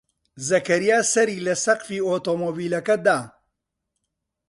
زەکەریا سەری لە سەقفی ئۆتۆمۆبیلەکە دا.